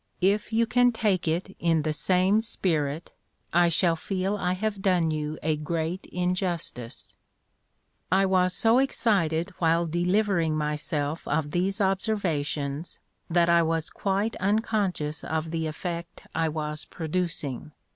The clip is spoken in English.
If you can take it in the same spirit, I shall feel I have done you a great injustice." I was so excited while delivering myself of these observations that I was quite unconscious of the effect I was producing.